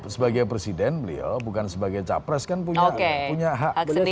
sebagai presiden beliau bukan sebagai capres kan punya hak